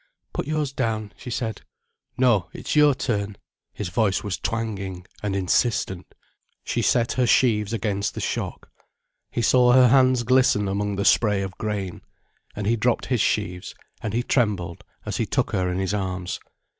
"Put yours down," she said. "No, it's your turn." His voice was twanging and insistent. She set her sheaves against the shock. He saw her hands glisten among the spray of grain. And he dropped his sheaves and he trembled as he took her in his arms.